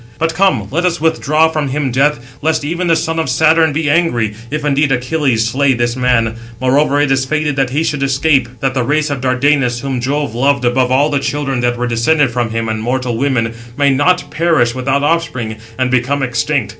But come, let us withdraw him from death, lest even the son of Saturn be angry, if indeed Achilles slay this man: moreover, it is fated that he should escape, that the race of Dardanus, whom Jove loved above all the children that were descended from him and mortal women, may not perish without offspring, and become extinct.